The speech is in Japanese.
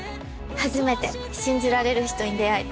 初めて信じられる人に出会えた。